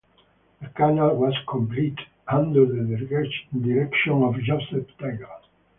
The canal was completed under the direction of Joseph Taylor.